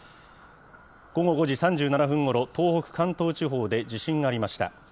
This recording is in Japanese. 午後５時３７分ごろ、東北、関東地方で地震がありました。